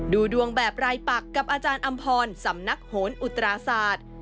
ดูดวงแบบรายปักกับอาจารย์อำพรสำนักโหนอุตราศาสตร์